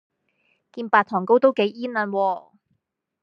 件白糖糕都幾煙韌喎